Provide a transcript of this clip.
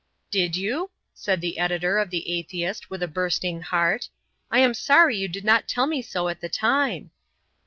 "Did you?" said the editor of The Atheist with a bursting heart. "I am sorry you did not tell me so at the time."